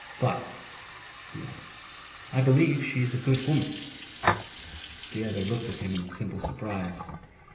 'But,' he added, 'I believe she is a good woman.' The other looked at him in simple surprise.